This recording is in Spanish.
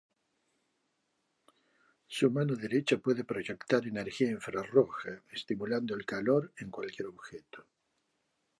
Su mano derecha puede proyectar energía infrarroja, estimulando el calor en cualquier objeto.